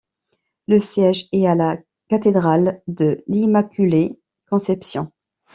Le siège est à la cathédrale de l'Immaculée-Conception.